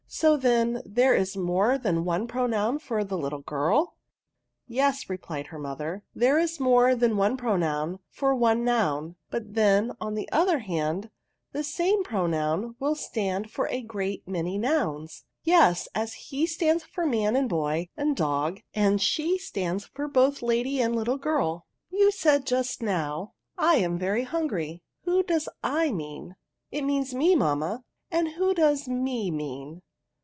So, then, there is more than one pronoun for the little girl ?"'* Yes," replied her mother, " there is more than one pronoun for one noun ; but then, on the other hand, the same pronoun will stand for a great many nouns." Yes, as he stands for man and boy, and dog, and she stands both for lady and little girl." You said just now, ' I am very hungry/ who does / mean ?"" It means me, mamma." " And who does me mean